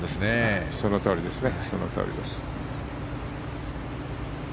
そのとおりですね。